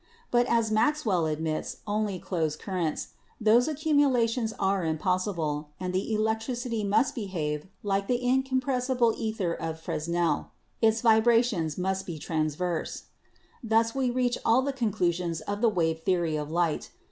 But, as Max well admits only closed currents, those accumulations are impossible, and the electricity must behave like the incom pressible ether of Fresnel: its vibrations must be trans verse. "Thus we reach all the conclusions of the wave theory of light.